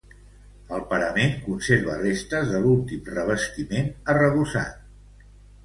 El parament conserva restes de l'últim revestiment arrebossat.